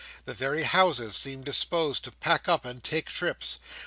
The very houses seemed disposed to pack up and take trips.